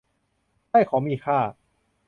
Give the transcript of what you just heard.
ได้ของมีค่า